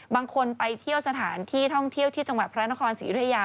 บางคนไปเที่ยวสถานที่ท่องเที่ยวที่จังหวัดพระนครศรียุธยา